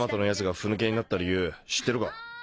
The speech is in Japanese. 筌弔ふ抜けになった理由知ってるか？